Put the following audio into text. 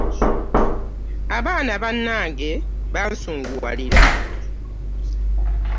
Abaana bammange bansunguwalira